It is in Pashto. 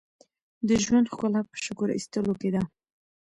• د ژوند ښکلا په شکر ایستلو کې ده.